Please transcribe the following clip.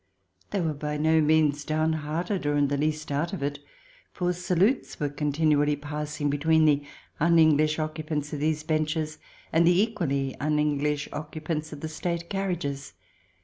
They were by no means downhearted or in the least " out of it," for salutes were continually passing between the un English occupants of these benches and the equally un English occupants of the State carriages.